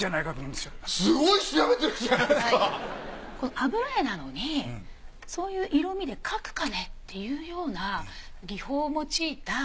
油絵なのにそういう色味で描くかねっていうような技法を用いた。